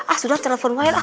ah sudah telepon saya lah